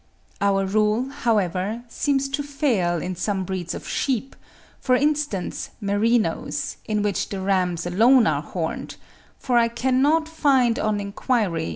Our rule, however, seems to fail in some breeds of sheep, for instance merinos, in which the rams alone are horned; for I cannot find on enquiry (42.